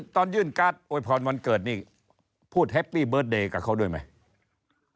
ตอนยื่นการ์ดโวยพรวันเกิดนี่พูดแฮปปี้เบิร์ตเดย์กับเขาด้วยไหม